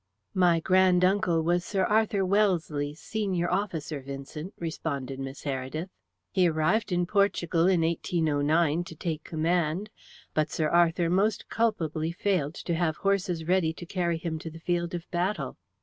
"My grand uncle was Sir Arthur Wellesley's senior officer, Vincent," responded Miss Heredith. "He arrived in Portugal in 1809 to take command, but Sir Arthur most culpably failed to have horses ready to carry him to the field of battle.